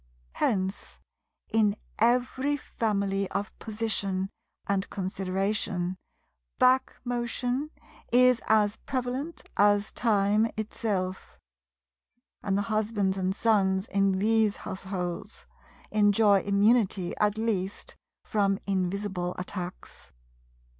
Hence, in every family of position and consideration, "back motion" is as prevalent as time itself; and the husbands and sons in these households enjoy immunity at least from invisible attacks.